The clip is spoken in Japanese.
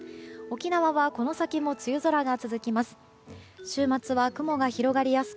沖縄はこの先も梅雨空が続きます。